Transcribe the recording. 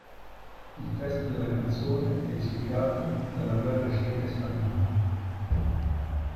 Il testo della canzone è ispirato dalla guerra civile spagnola.